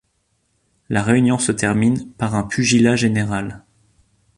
La réunion se termine par un pugilat général.